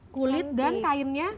kulit dan kainnya